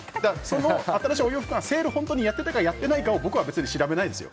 新しいお洋服がセールを本当にやってたかやっていないかを僕は別に調べないですよ。